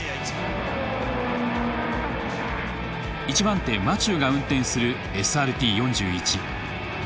１番手マチューが運転するＳＲＴ４１。